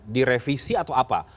direvisi atau apa